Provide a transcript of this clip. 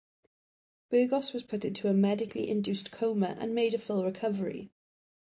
Burgos was put into a medically induced coma and made a full recovery.